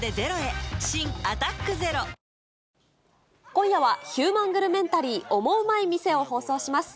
今夜は、ヒューマングルメンタリー、オモウマい店を放送します。